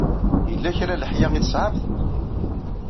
Yella kra n leḥya ay tesɛamt?